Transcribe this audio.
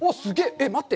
えっ、待って。